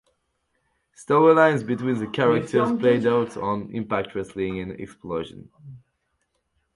Storylines between the characters played out on "Impact Wrestling" and "Xplosion".